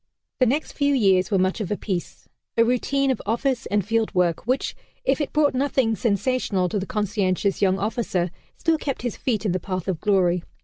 The next few years were much of a piece a routine of office and field work which, if it brought nothing sensational to the conscientious young officer, still kept his feet in the path of glory.